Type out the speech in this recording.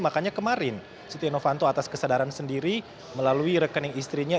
makanya kemarin setia novanto atas kesadaran sendiri melalui rekening istrinya